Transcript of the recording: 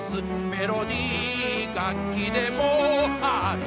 メロディー楽器でもあります